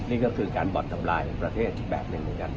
นี่ก็คือการบ่อนทำลายประเทศแบบหนึ่งเหมือนกัน